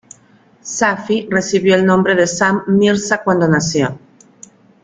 Safi recibió el nombre de Sam Mirza cuando nació.